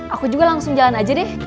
aku juga langsung jalan aja deh